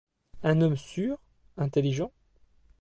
Un homme sûr, intelligent ?